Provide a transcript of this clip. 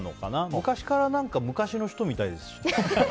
昔から昔の人みたいです。